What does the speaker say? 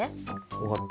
分かった。